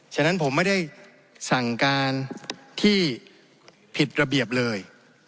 ฉะนั้นผมไม่ได้สั่งการที่ผิดระเบียบเลย